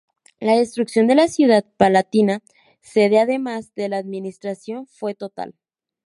La destrucción de la ciudad palatina, sede además de la Administración, fue total.